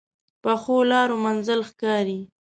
پخو لارو منزل ښکاري